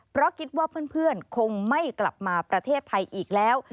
เพราะคิดว่าเพื่อนคงไม่กลับมาประเทศไทยอีกแล้ว